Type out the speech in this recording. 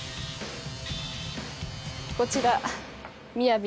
こちら。